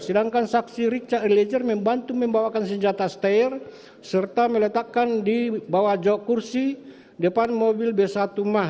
sedangkan saksi richard eliezer membantu membawakan senjata setair serta meletakkan di bawah jok kursi depan mobil b satu mah